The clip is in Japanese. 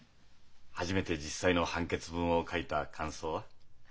初めて実際の判決文を書いた感想は？